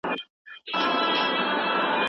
لومړی تر تاریخ وړاندي دوره.